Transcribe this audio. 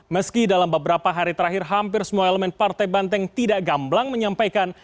meski dalam beberapa hari terakhir hampir semua elemen partai banteng tidak gamblang menyampaikan